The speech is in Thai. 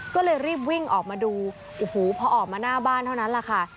ก็เลยรีบวิ่งออกมาดูโอ้โหพอออกมาหน้าบ้านเท่านั้นแหละค่ะ